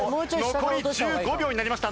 残り１５秒になりました。